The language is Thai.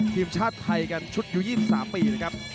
ทีมชาติไทยกันชุดยู๒๓ปีนะครับ